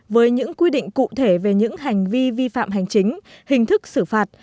với những quy định cụ thể về những hành vi vi phạm hành chính hình thức xử phạt